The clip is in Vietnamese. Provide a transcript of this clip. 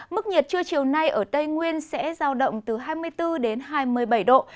mức nhiệt trưa chiều nay ở tây nguyên sẽ giao động từ hai mươi bốn đến hai mươi bảy độ